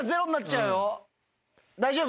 大丈夫？